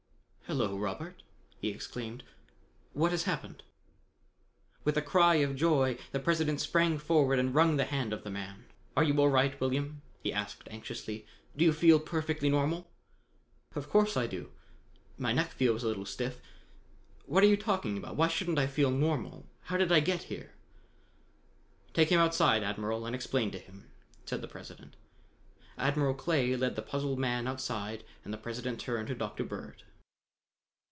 "Hello, Robert," he exclaimed. "What has happened?" With a cry of joy the President sprang forward and wrung the hand of the man. "Are you all right, William?" he asked anxiously. "Do you feel perfectly normal?" "Of course I do. My neck feels a little stiff. What are you talking about? Why shouldn't I feel normal? How did I get here?" "Take him outside, Admiral, and explain to him," said the President. Admiral Clay led the puzzled man outside and the President turned to Dr. Bird.